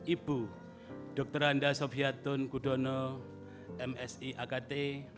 ibu dr anda sofiatun kudono msi akt